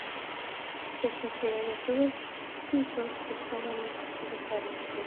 betusieek aketukul kotuisiot kipsomaninik sikoturkei